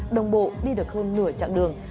đồng bộ đi được hơn nửa chặng đường